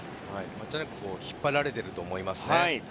間違いなく引っ張られてると思いますね。